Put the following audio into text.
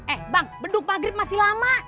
eh bang beduk maghrib masih lama